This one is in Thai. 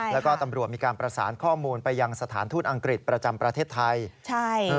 แล้วก็ตำรวจมีการประสานข้อมูลไปยังสถานทูตอังกฤษประจำประเทศไทย